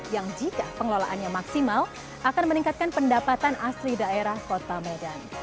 yang jika pengelolaannya maksimal akan meningkatkan pendapatan asli daerah kota medan